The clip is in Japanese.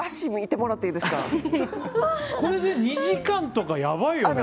これで２時間とかヤバいよね。